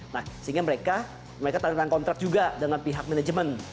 sehingga mereka mereka tanda kontrak juga dengan pihak manajemen